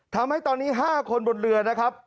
ทำให้ตอนนี้๕คนบนเรือนะครับ